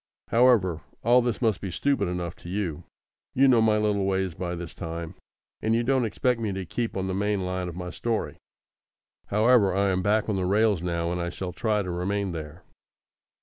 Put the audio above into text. However, all this must be stupid enough to you. You know my little ways by this time, and you don't expect me to keep on the main line of my story. However, I am back on the rails now, and I shall try to remain there.